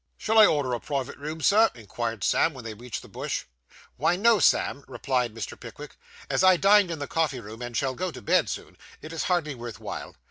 'Shall I order a private room, Sir?' inquired Sam, when they reached the Bush. 'Why, no, Sam,' replied Mr. Pickwick; 'as I dined in the coffee room, and shall go to bed soon, it is hardly worth while.